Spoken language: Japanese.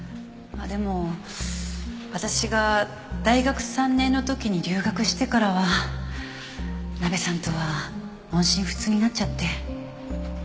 でも私が大学３年の時に留学してからはナベさんとは音信不通になっちゃって。